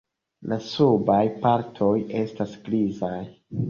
La subaj partoj estas grizaj.